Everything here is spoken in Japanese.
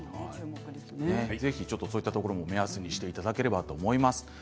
そういうところも目安にしていただければと思います。